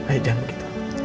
ayo jangan begitu